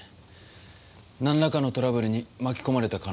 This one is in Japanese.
なんらかのトラブルに巻き込まれた可能性も考えられます。